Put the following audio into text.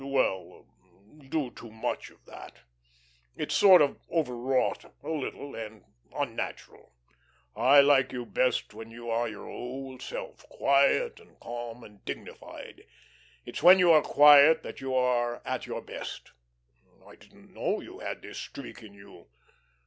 "Well, do too much of that. It's sort of over wrought a little, and unnatural. I like you best when you are your old self, quiet, and calm, and dignified. It's when you are quiet that you are at your best. I didn't know you had this streak in you.